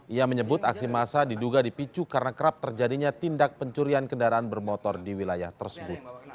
ia menyebut aksi massa diduga dipicu karena kerap terjadinya tindak pencurian kendaraan bermotor di wilayah tersebut